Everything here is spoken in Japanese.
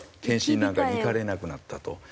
検診なんかに行かれなくなったと。